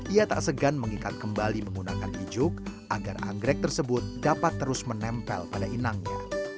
ia tak segan mengikat kembali menggunakan ijuk agar anggrek tersebut dapat terus menempel pada inangnya